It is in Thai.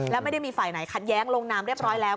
แล้วไม่ได้มีฝ่ายไหนขัดแย้งลงนามเรียบร้อยแล้ว